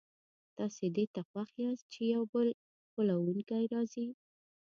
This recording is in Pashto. تاسي دې ته خوښ یاست چي یو بل غولونکی راځي.